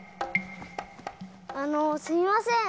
あのすいません。